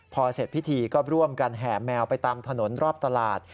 พอเสร็จพิธีก็ร่วมกันแห่แมวไปตามถนนรอบตลาด